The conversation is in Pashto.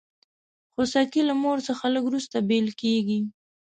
خوسکی له مور څخه لږ وروسته بېل کېږي.